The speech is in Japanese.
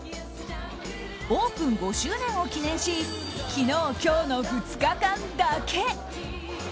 オープン５周年を記念し昨日、今日の２日間だけ。